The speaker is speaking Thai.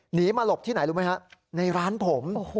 หนีมาหลบที่ไหนรู้ไหมฮะในร้านผม